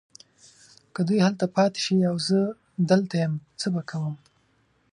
که دوی هلته پاته شي او زه دلته یم څه به کوم؟